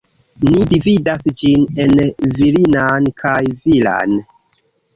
Ni dividas ĝin en virinan kaj viran.